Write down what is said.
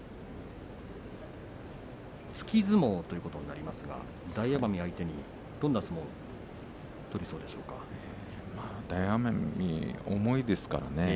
突き相撲ということになりますが大奄美相手に大奄美が重いですからね。